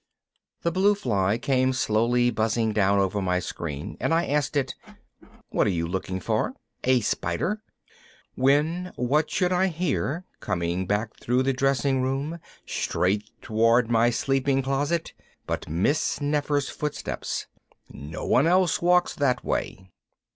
The blue fly came slowly buzzing down over my screen and I asked it, "What are you looking for? A spider?" when what should I hear coming back through the dressing room straight toward my sleeping closet but Miss Nefer's footsteps. No one else walks that way.